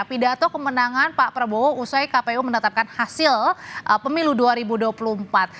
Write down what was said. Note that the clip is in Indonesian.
pidato kemenangan pak prabowo usai kpu menetapkan hasil pemilu dua ribu dua puluh empat